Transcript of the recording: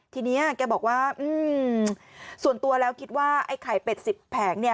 ทีนี้แกบอกว่าส่วนตัวแล้วคิดว่าไอ้ไข่เป็ด๑๐แผง